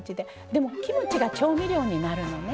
でも、キムチが調味料になるのね。